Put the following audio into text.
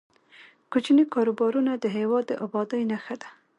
کوچني کاروبارونه د هیواد د ابادۍ نښه ده.